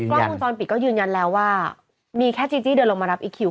กล้องวงจรปิดก็ยืนยันแล้วว่ามีแค่จีจี้เดินลงมารับอีคิว